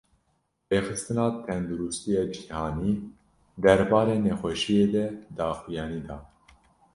Rêxistina Tendurustiya Cîhanî, derbarê nexweşiyê de daxuyanî da